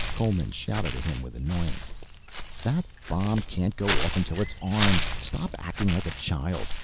Coleman shouted at him with annoyance. "That bomb can't go off until it's armed, stop acting like a child.